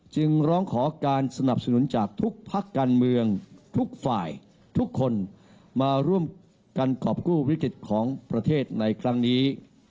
จึงร้องขอการสนับสนุนจากทุกพักการเมืองทุกฝ่ายทุกคนมาร่วมกันกรอบกู้วิกฤตของประเทศในครั้งนี้